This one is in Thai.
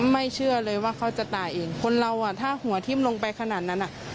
ไม่เชื่อเลยว่าเขาจะตายเองคนเราอ่ะถ้าหัวทิ้มลงไปขนาดนั้นอ่ะ